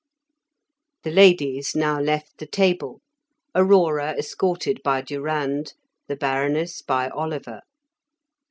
The ladies now left the table, Aurora escorted by Durand, the Baroness by Oliver.